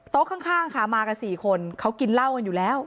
โต๊ะข้างมากับ๔คนเขากินเหล้ากันอยู่แล้ว